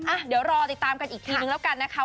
อ่ะเดี๋ยวรอติดตามกันอีกทีนึงแล้วกันนะคะ